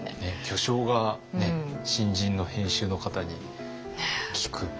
巨匠が新人の編集の方に聞く。